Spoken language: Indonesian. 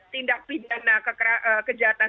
tidak pidana kejahatan